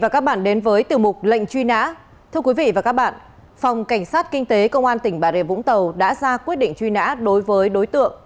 cảm ơn các bạn đã theo dõi